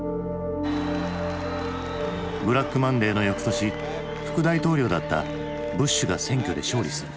ブラックマンデーのよくとし副大統領だったブッシュが選挙で勝利する。